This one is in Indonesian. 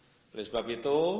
oleh sebab itu